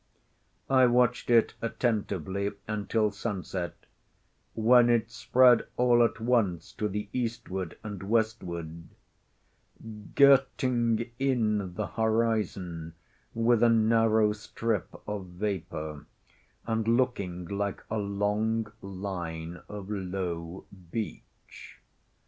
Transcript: I watched it attentively until sunset, when it spread all at once to the eastward and westward, girting in the horizon with a narrow strip of vapor, and looking like a long line of low beach.